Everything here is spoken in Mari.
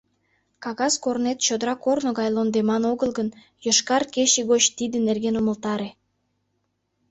Кагаз корнет чодыра корно гай лондеман огыл гын, «Йошкар кече» гоч тиде нерген умылтаре.